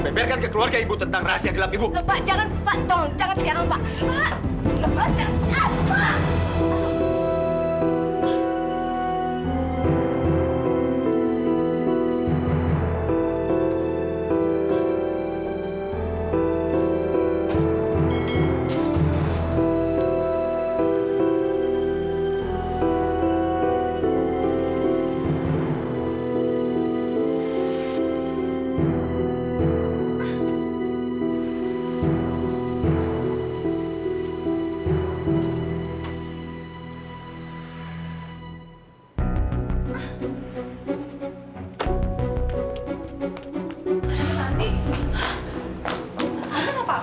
memberkan ke keluarga ibu tentang rahasia gelap ibu jangan pak jangan sekarang pak